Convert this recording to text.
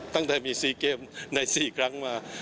ตั้งแต่มี๔เกมใน๔ครั้งมา